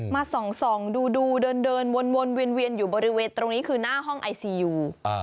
มาส่องดูเดินวนเวียนอยู่บริเวณตรงนี้คือหน้าห้องไอซียู